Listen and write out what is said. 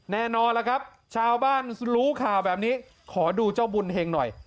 แน่นอนล่ะครับชาวบ้านรู้ข่าวแบบนี้ขอดูเจ้าบุญเฮงหน่อย